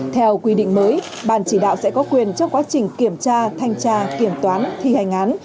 theo quy định mới ban chỉ đạo sẽ có quyền trong quá trình kiểm tra thanh tra kiểm toán thi hành án